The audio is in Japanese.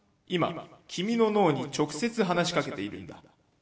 今君の脳に直接話しかけているんだ。